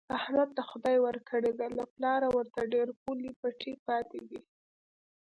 احمد ته خدای ورکړې ده، له پلاره ورته ډېر پوله پټی پاتې دی.